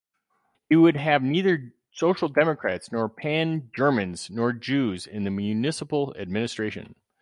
He would have neither Social Democrats nor Pan-Germans nor Jews in the municipal administration.